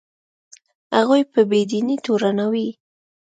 هغوی په بې دینۍ تورنوي.